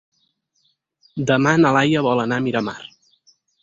Demà na Laia vol anar a Miramar.